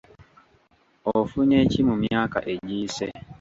Ofunye ki mu myaka egiyise?